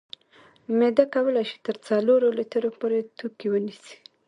معده کولی شي تر څلورو لیترو پورې توکي ونیسي.